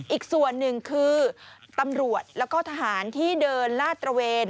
อีกส่วนหนึ่งคือตำรวจแล้วก็ทหารที่เดินลาดตระเวน